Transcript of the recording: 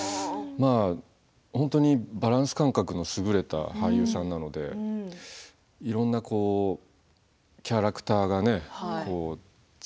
本当にバランス感覚の優れた俳優さんなのでいろんなキャラクターがねちみもうりょう。